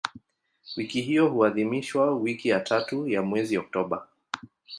Wiki hiyo huadhimishwa wiki ya tatu ya mwezi Oktoba.